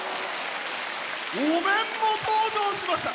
お面も登場しました。